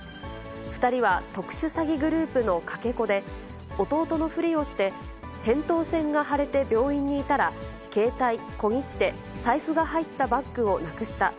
２人は特殊詐欺グループのかけ子で、弟のふりをして、へんとう腺が腫れて病院にいたら、ケータイ、小切手、財布が入ったバッグをなくした。